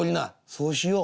「そうしよう」。